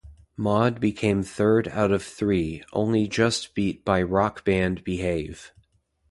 Maud became third out of three, only just beat by rock band "Behave".